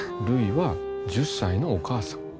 るいは１０歳のお母さん。